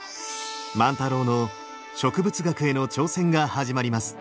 万太郎の植物学への挑戦が始まります。